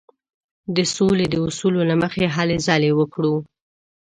د سولې د اصولو له مخې هلې ځلې وکړو.